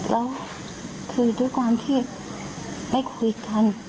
แล้วคือด้วยความที่ไม่คุยกัน